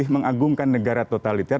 mengagumkan negara totalitar